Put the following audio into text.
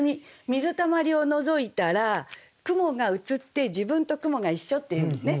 水たまりをのぞいたら雲が映って自分と雲が一緒っていうね。